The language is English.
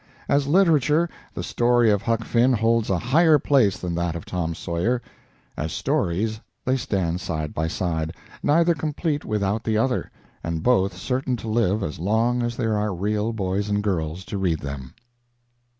As literature, the story of "Huck Finn" holds a higher place than that of "Tom Sawyer." As stories, they stand side by side, neither complete without the other, and both certain to live as long as there are real boys and girls to read them.